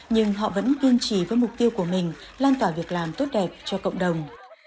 nhưng họ vẫn kiên trì với mục tiêu của mình lan tỏa việc làm tốt đẹp cho cộng đồng